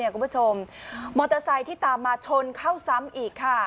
คุณผู้ชมมอเตอร์ไซค์ที่ตามมาชนเข้าซ้ำอีกค่ะ